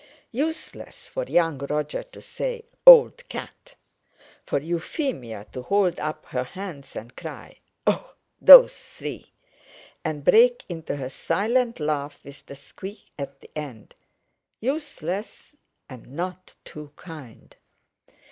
Useless for young Roger to say, "Old cat!" for Euphemia to hold up her hands and cry: "Oh! those three!" and break into her silent laugh with the squeak at the end. Useless, and not too kind.